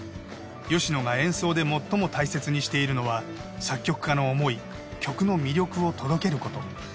吉野が演奏で最も大切にしているのは作曲家の思い曲の魅力を届けること。